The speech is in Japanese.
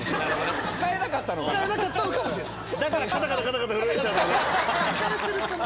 使えなかったのかもしれない。